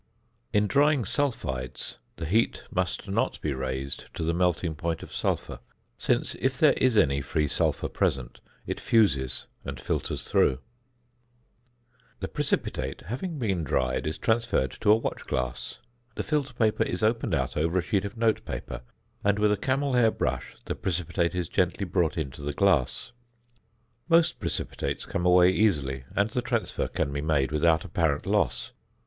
In drying sulphides the heat must not be raised to the melting point of sulphur, since, if there is any free sulphur present, it fuses and filters through. [Illustration: FIG. 20.] The precipitate, having been dried, is transferred to a watch glass. The filter paper is opened out over a sheet of note paper, and, with a camel hair brush, the precipitate is gently brought into the glass. Most precipitates come away easily, and the transfer can be made without apparent loss.